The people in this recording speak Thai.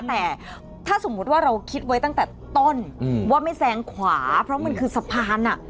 แต่ถ้าสมมุติว่าเราคิดไว้ตั้งแต่ต้นว่าไม่แซงขวาเพราะมันคือสะพาน